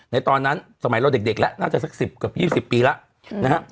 ในตอนนั้นสมัยเราเด็กแล้วน่าจะสัก๑๐เกือบ๒๐ปีแล้วนะฮะ